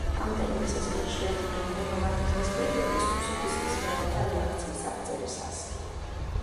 ამ ტერმინს ასევე ხშირად იყენებენ რომანტიზმის პერიოდის მუსიკის მსმენელთა რეაქციის აღწერისას.